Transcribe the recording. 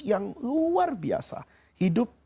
yang luar biasa hidup